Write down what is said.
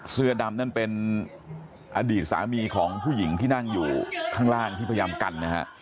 เสื้อดำนั่นเป็นอดีตสามีของผู้หญิงที่นั่งอยู่ข้างล่างที่พยายามกันนะฮะ